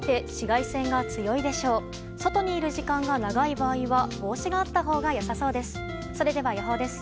外にいる時間が長い場合は帽子があったほうが良さそうです。